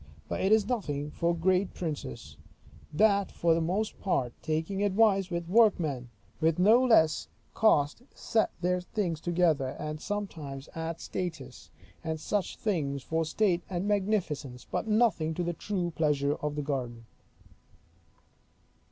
But it is nothing for great princes, that for the most part taking advice with workmen, with no less cost set their things together; and sometimes add statuas and such things for state and magnificence, but nothing to the true pleasure of a garden.